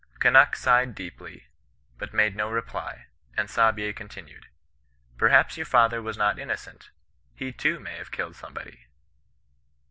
''Eunnuk sighed deeply, but made no reply; and Saabye continued, ' Perhaps your father was not inno cent ; he too may have killed somebody.'